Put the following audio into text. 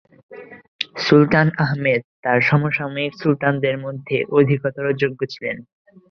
সুলতান আহমেদ তার সমসাময়িক সুলতানদের মধ্যে অধিকতর যোগ্য ছিলেন।